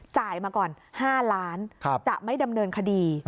จ่ายมาก่อน๕ล้านจะไม่ดำเนินคดี